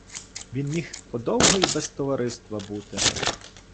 Він міг подовго й без товариства бути.